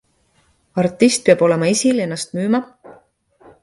Artist peab olema esil, ennast müüma?